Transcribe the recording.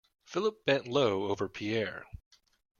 Philip bent low over Pierre.